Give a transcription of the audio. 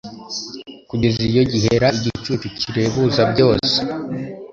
kugeza iyo gihera igicucu kirebuza byose